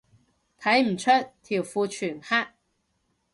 睇唔出，條褲全黑